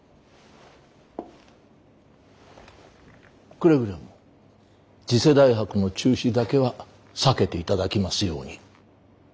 くれぐれも次世代博の中止だけは避けていただきますように。